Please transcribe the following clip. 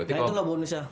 nah itu loh bonusnya